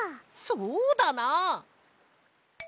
そうだな。